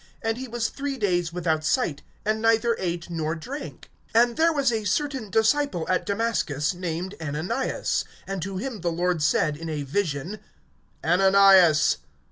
(9)And he was three days without sight, and neither ate nor drank. (10)And there was a certain disciple at Damascus, named Ananias; and to him the Lord said, in a vision, Ananias!